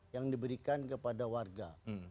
yang diberikan kepada warga